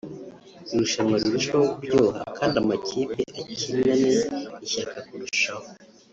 irushanwa rirusheho kuryoha kandi amakipe akinane ishyaka kurushaho